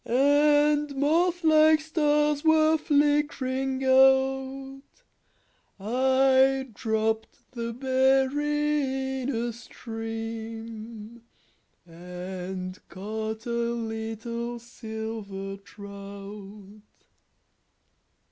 And moth like stars were flickering out, I dropped the berry in a stream And caught a little silver trout.